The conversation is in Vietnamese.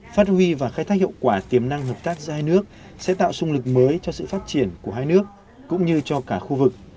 phát huy và khai thác hiệu quả tiềm năng hợp tác giữa hai nước sẽ tạo sung lực mới cho sự phát triển của hai nước cũng như cho cả khu vực